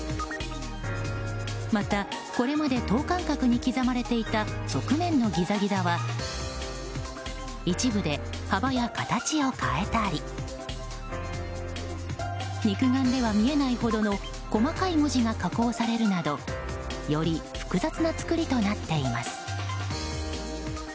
また、これまで等間隔に刻まれていた側面のギザギザは一部で幅や形を変えたり肉眼では見えないほどの細かい文字が加工されるなどより複雑な造りとなっています。